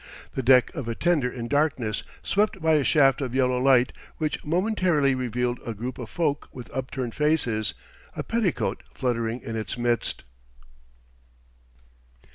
the deck of a tender in darkness swept by a shaft of yellow light which momentarily revealed a group of folk with upturned faces, a petticoat fluttering in its midst....